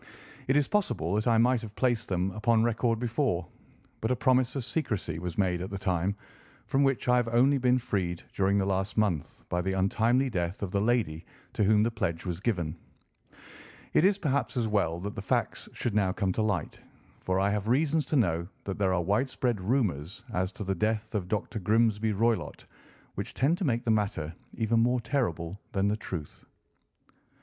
It is possible that I might have placed them upon record before, but a promise of secrecy was made at the time, from which I have only been freed during the last month by the untimely death of the lady to whom the pledge was given. It is perhaps as well that the facts should now come to light, for I have reasons to know that there are widespread rumours as to the death of Dr. Grimesby Roylott which tend to make the matter even more terrible than the truth.